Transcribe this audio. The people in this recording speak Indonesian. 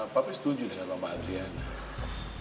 papa setuju dengan mama adriana